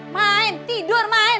main tidur main